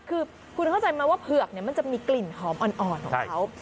คือคุณเข้าใจไหมว่าเผือกมันจะมีกลิ่นหอมอ่อนของเขา